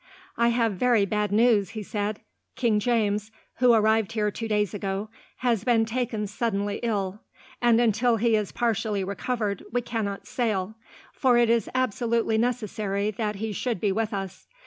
"I have very bad news," he said. "King James, who arrived here two days ago, has been taken suddenly ill, and until he is partially recovered we cannot sail, for it is absolutely necessary that he should be with us.